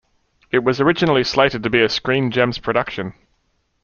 It was originally slated to be a Screen Gems production.